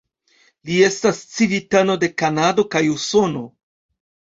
Li estas civitano de Kanado kaj Usono.